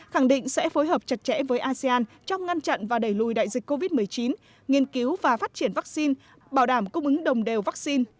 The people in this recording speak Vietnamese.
khẳng định sẽ phối hợp chặt chẽ với asean trong ngăn chặn và đẩy lùi đại dịch covid một mươi chín nghiên cứu và phát triển vaccine bảo đảm cung ứng đồng đều vaccine